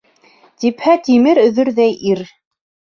Типһә тимер өҙөрҙәй ир.